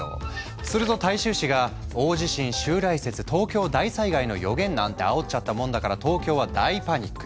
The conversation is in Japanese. すると大衆紙が「大地震襲来説東京大災害の予言」なんてあおっちゃったもんだから東京は大パニック。